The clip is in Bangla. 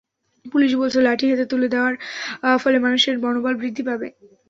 পুলিশ বলছে, লাঠি হাতে তুলে দেওয়ার ফলে মানুষের মনোবল বৃদ্ধি পাবে।